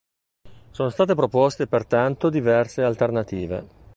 Sono state proposte pertanto diverse alternative.